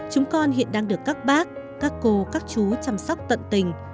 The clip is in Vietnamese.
chúng con hiện đang được các bác các cô các chú chăm sóc tận tình